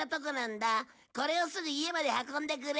これをすぐ家まで運んでくれ。